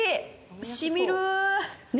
しみる。